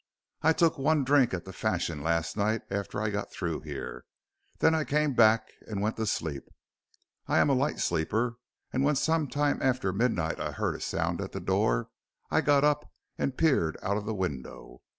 "I took one drink at the Fashion last night after I got through here. Then I came back and went to sleep. I am a light sleeper and when some time after midnight I heard a sound at the door I got up and peered out of the window.